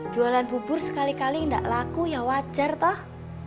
jualan bubur sekali kali nggak laku ya wajar toh